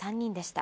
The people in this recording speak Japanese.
た